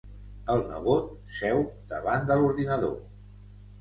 El nebot seu davant de l'ordinador.